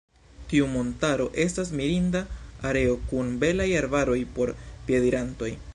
Tiu montaro estas mirinda areo kun belaj arbaroj por piedirantoj.